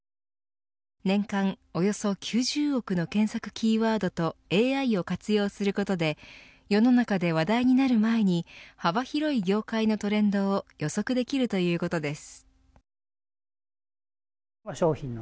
年間およそ９０億の検索キーワードとＡＩを活用することで世の中で話題になる前に幅広い業界のトレンドを予測できるということです。